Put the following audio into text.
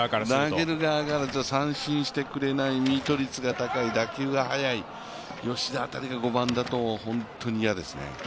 投げる側からすると三振してくれないミート率が高い、打球が速い、吉田辺りが５番だと本当に嫌ですね。